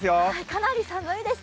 かなり寒いです。